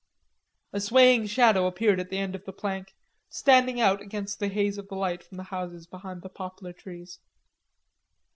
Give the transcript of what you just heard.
A swaying shadow appeared at the end of the plank, standing out against the haze of light from the houses behind the poplar trees.